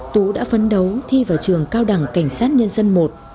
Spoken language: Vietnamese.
tú đã phấn đấu thi vào trường cao đẳng cảnh sát nhân dân i